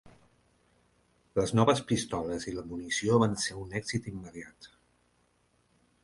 Les noves pistoles i la munició van ser un èxit immediat.